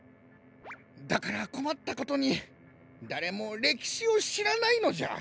だからこまったことにだれもれきしをしらないのじゃ！